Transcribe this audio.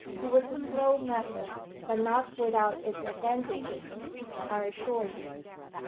It was a slow method, but not without its advantages, I assure you.